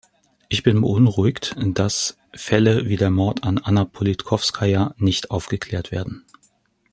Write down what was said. Ich bin beunruhigt, dass Fälle wie der Mord an Anna Politkowskaja nicht aufgeklärt werden.